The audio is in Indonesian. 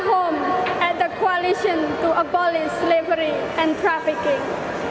saya menemukan rumah di koalisi untuk menyakitkan penyakit